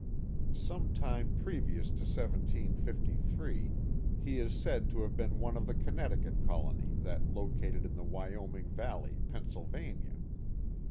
Some time previous to 1753 he is said to have been one of the Connecticut colony that located in the Wyoming Valley, Pennsylvania.